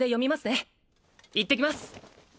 ねいってきます